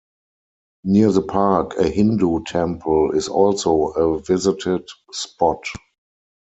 Near the park a Hindu temple is also a visited spot.